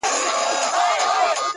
صحرايي چي ورته وکتل حیران سو،